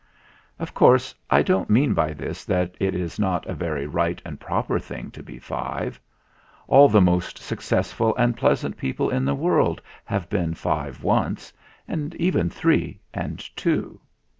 Of course I don't mean by this that it is not a very right and proper thing to be five. All the most successful and pleasant people in the world have been five once, and even three, and two.